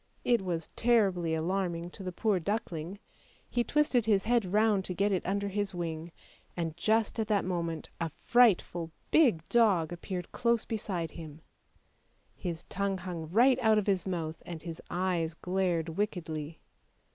It was terribly alarming to the poor duckling. He twisted his head round to get it under his wing, and just at that moment a frightful, big dog appeared close beside him; his tongue hung right out of his mouth and his eyes glared wickedly.